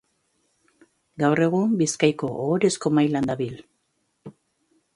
Gaur egun Bizkaiko Ohorezko Mailan dabil.